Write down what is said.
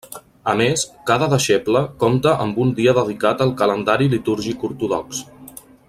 A més, cada deixeble compta amb un dia dedicat al calendari litúrgic ortodox.